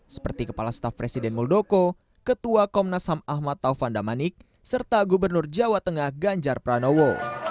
seperti kepala staf presiden muldoko ketua komnas ham ahmad taufan damanik serta gubernur jawa tengah ganjar pranowo